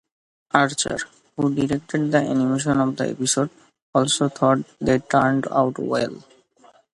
Archer, who directed the animation of the episode, also thought they turned out well.